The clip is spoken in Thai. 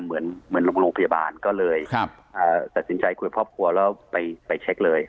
เหมือนโรงพยาบาลก็เลยตัดสินใจคุยครอบครัวแล้วไปเช็คเลย